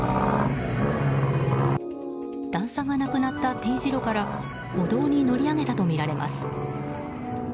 段差がなくなったＴ字路から歩道に乗り上げたとみられます。